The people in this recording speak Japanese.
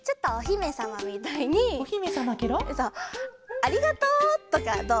「ありがとう」とかどう？